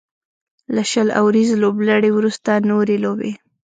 له شل اوريزې لوبلړۍ وروسته نورې لوبې